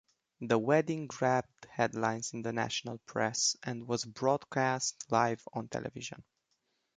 The wedding grabbed headlines in the national press and was broadcast live on television.